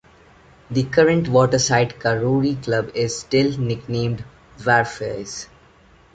The current Waterside Karori club is still nicknamed Wharfies.